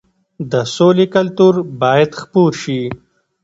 د سولې کلتور باید خپور شي.